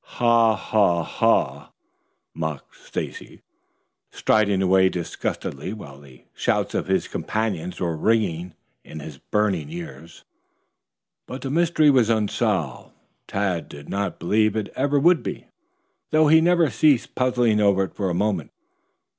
"Haw haw haw!" mocked Stacy, striding away disgustedly while the shouts of his companions were ringing in his burning ears. But the mystery was unsolved. Tad did not believe it ever would be, though he never ceased puzzling over it for a moment.